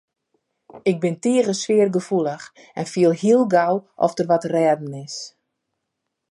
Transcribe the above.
Ik bin tige sfeargefoelich en fiel hiel gau oft der wat te rêden is.